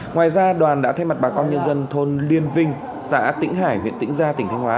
ngoài ra đoàn đã thay mặt bà con nhân dân thôn liên vinh xã tĩnh hải huyện tĩnh gia tỉnh thanh hóa